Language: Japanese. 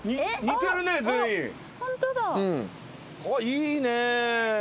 いいね。